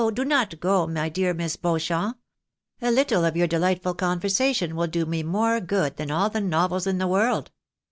do not go, my dear Miss Beauchamp ! A little of your delightful conversation will do me more good than aU the novels in the world.